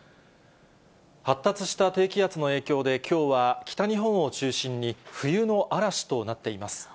発達した低気圧の影響で、きょうは北日本を中心に、冬の嵐となっています。